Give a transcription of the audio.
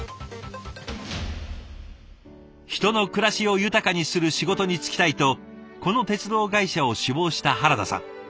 人の暮らしを豊かにする仕事に就きたいとこの鉄道会社を志望した原田さん。